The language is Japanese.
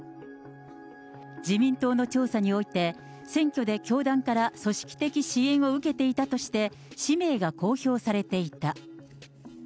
自民党の調査において、選挙で教団から組織的支援を受けていたとして、氏名が公表されていた。